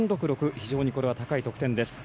非常にこれは高い得点です。